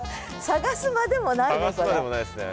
探すまでもないね。